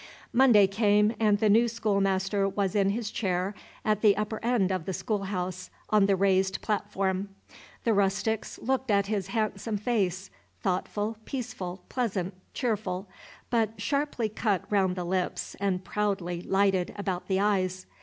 Monday came, and the new schoolmaster was in his chair at the upper end of the schoolhouse, on the raised platform. The rustics looked at his handsome face, thoughtful, peaceful, pleasant, cheerful, but sharply cut round the lips and proudly lighted about the eyes.